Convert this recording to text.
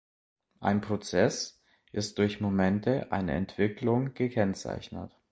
Ein Prozess ist durch Momente einer Entwicklung gekennzeichnet.